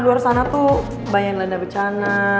di luar sana tuh banyak dendam becana